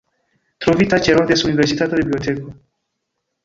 Trovita ĉe Rhodes Universitata Biblioteko.